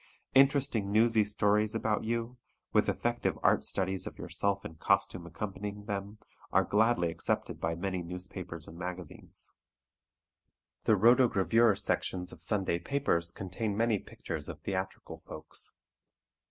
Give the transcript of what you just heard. Interesting newsy stories about you, with effective art studies of yourself in costume accompanying them, are gladly accepted by many newspapers and magazines. The rotogravure sections of Sunday papers contain many pictures of theatrical folks.